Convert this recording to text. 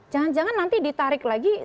jangan jangan nanti ditarik lagi